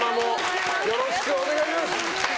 よろしくお願いします。